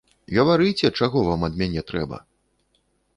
Гаварыце, чаго вам ад мяне трэба?